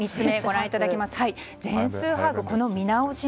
３つ目ご覧いただきます。